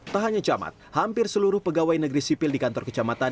tak hanya camat hampir seluruh pegawai negeri sipil di kantor kecamatan